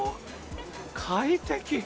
快適。